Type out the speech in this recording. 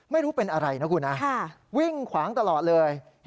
ไม่รู้เป็นอะไรนะคุณนะวิ่งขวางตลอดเลย